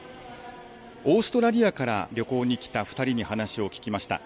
オーストラリアから旅行に来た２人に話を聞きました。